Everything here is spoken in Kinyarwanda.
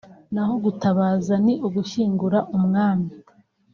naho gutabaza ni ugushyingura umwami